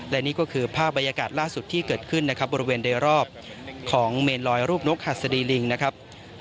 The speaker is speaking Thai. และนี่ก็คือภาพบรรยากาศล่าสุดที่เกิดขึ้นนะครับบริเวณโดยรอบของเมนลอยรูปนกหัสดีลิงนะครับ